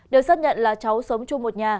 được xác nhận là cháu sống chung một nhà